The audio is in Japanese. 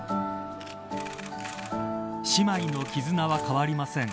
姉妹の絆は変わりません。